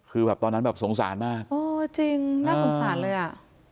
คือแบบตอนนั้นแบบสงสารมากอ๋อจริงน่าสงสารเลยอ่ะ